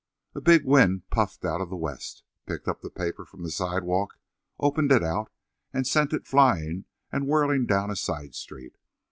A big wind puffed out of the west, picked up the paper from the sidewalk, opened it out and sent it flying and whirling down a side street.